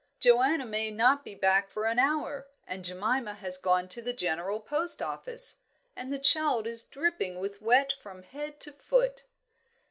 "Joanna may not be back for an hour, and Jemima has gone to the General Post Office. And the child is dripping with wet from head to foot."